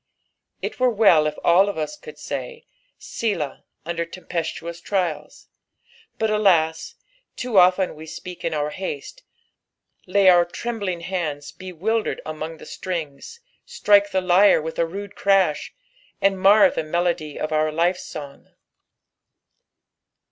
It were wcli if all of us could say, " Bdah,'" under tempestuous trials, but alas ! too often we ;peak in our haste, lay our trembling bands bewildered among the strings, strike the lyre with a rude crash, and mar the melody of our life.«ong.